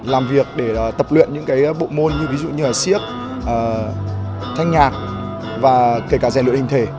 làm việc để tập luyện những bộ môn như siếc thanh nhạc và kể cả rèn luyện hình thể